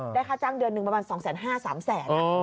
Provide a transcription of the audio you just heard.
ได้ค่าจ้างเดือนนึงประมาณสองแสนห้าสามแสนอ่ะ